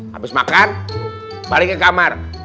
habis makan balik ke kamar